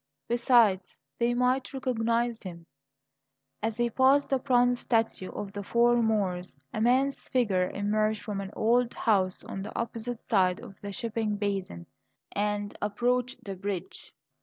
Besides they might recognize him. As he passed the bronze statue of the "Four Moors," a man's figure emerged from an old house on the opposite side of the shipping basin and approached the bridge.